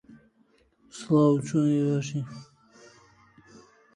But, as in all life, things change.